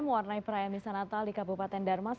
mewarnai perayaan misa natal di kabupaten darmas